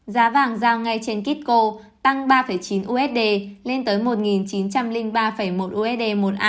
giá vàng giao ngay trên kitco tăng ba chín usd lên tới một chín trăm linh usd